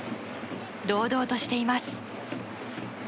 堂々としています。